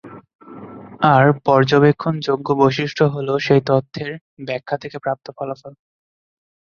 আর পর্যবেক্ষণযোগ্য বৈশিষ্ট্য হলো সেই তথ্যের "ব্যাখ্যা" থেকে প্রাপ্ত ফলাফল।